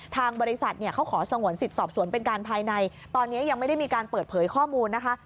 ทางบริษัทเนี่ยเขาขอสงวนสิทธิ์สอบสวนเป็นการภายในตอนนี้ยังไม่ได้มีการเปิดเผยข้อมูลนะคะ